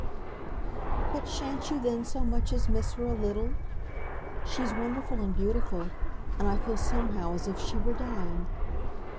"But shan't you then so much as miss her a little? She's wonderful and beautiful, and I feel somehow as if she were dying.